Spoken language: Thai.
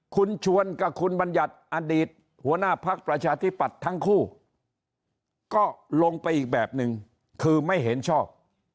คุณชวนกับคุณบัญญัติอดีตหัวหน้าพักประชาธิปัตย์ทั้งคู่ก็ลงไปอีกแบบนึงคือไม่เห็นชอบ